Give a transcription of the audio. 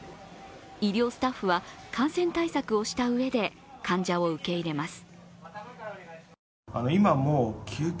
医療スタッフは感染対策をしたうえで患者を受け入れます。